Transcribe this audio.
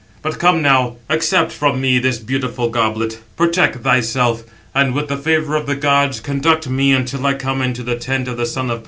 But come now, accept from me this beautiful goblet; protect myself, 791 and, with the favour of the gods, conduct me until I come into the tent of the son of Peleus."